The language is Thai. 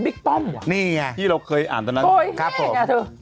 ทะเบียนบิ๊กป้องเหรอที่เราเคยอ่านตอนนั้นครับผมโอ๊ยเหี้ยไงเถอะ